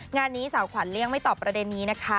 งานนี้สาวขวัญเลี่ยงไม่ตอบประเด็นนี้นะคะ